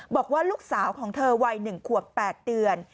บอกว่าลูกสาวของเธอวัย๑ขวบ๘เดือน